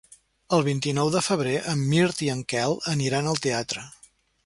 El vint-i-nou de febrer en Mirt i en Quel aniran al teatre.